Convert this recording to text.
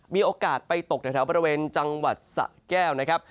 มีโอกาสไปตกแถวบริเวณจังหวัดสะแก้วนะครับ